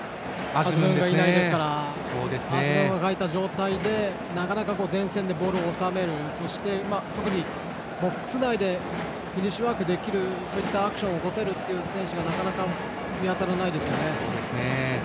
アズムンがいない状態でなかなか前線でボールを収めるそして特にボックス内でフィニッシュワークできるアクションを起こせる選手がなかなか見当たらないですね。